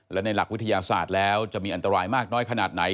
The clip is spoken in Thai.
และในหลักวิทยาศาสตร์แล้วจะมีอันตรายมากน้อยขนาดไหน